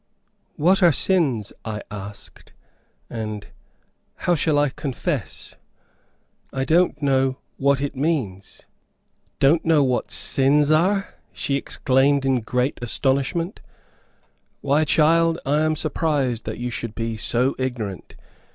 "What are sins?" I asked, and, "How shall I confess? I don't know what it means." "Don't know what sins are!" she exclaimed in great astonishment "Why, child, I am surprised that you should be so ignorant!